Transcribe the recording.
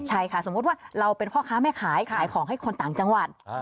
ใช่ค่ะสมมุติว่าเราเป็นพ่อค้าแม่ขายขายของให้คนต่างจังหวัด